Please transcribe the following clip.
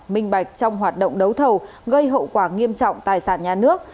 minh bạch trong hoạt động đấu thầu gây hậu quả nghiêm trọng tài sản nhà nước